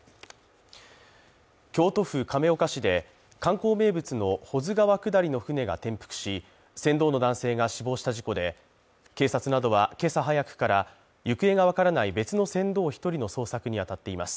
京都府亀岡市で観光名物の保津川下りの舟が転覆し、船頭の男性が死亡した事故で、警察などはけさ早くから行方がわからない別の船頭１人の捜索にあたっています。